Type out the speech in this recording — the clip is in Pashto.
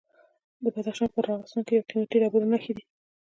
د بدخشان په راغستان کې د قیمتي ډبرو نښې دي.